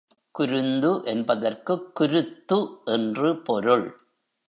குருந்து என்பதற்குக் குருத்து என்று பொருள்.